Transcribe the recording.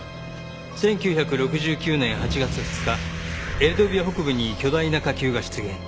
１９６９年８月２日エルドビア北部に巨大な火球が出現。